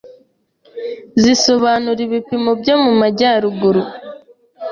zisobanura ibipimo byo mu majyaruguru